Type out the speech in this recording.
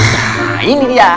nah ini dia